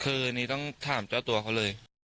คืออันนี้ต้องถามเจ้าตัวเขาเลย